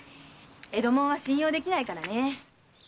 江戸もんは信用できないからね。